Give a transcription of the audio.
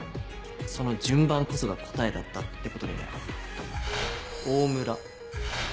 その順番こそが答えだったってことにね。